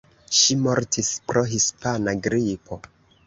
Ŝi mortis pro hispana gripo.